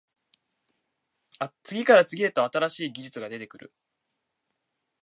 次から次へと新しい技術が出てくる